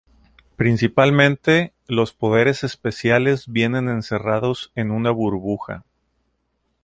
Principalmente, los poderes especiales vienen encerrados en una burbuja.